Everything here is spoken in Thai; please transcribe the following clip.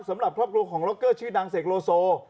สำหรับครอบครัวของล็อกเกอร์ชื่อดังเสกโลโซ